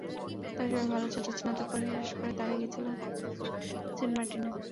তাঁরা সবাই ভালো ছাত্র, স্নাতক পরীক্ষা শেষ করে তাঁরা গিয়েছিলেন সেন্ট মার্টিনে।